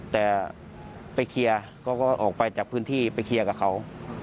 แต่ไปเคลียร์เขาก็ออกไปจากพื้นที่ไปเคลียร์กับเขา